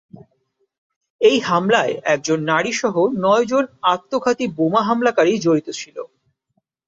এই হামলায় একজন নারী সহ নয়জন আত্মঘাতী বোমা হামলাকারী জড়িত ছিল।